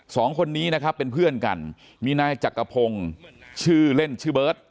สองคนนี้นะครับเป็นเพื่อนกันมีนายจักรพงศ์ชื่อเล่นชื่อเบิร์ต